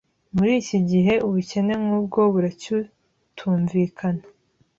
Muri iki gihe, ubukene nk'ubwo buracytunvikana.